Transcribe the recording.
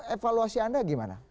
evaluasi anda gimana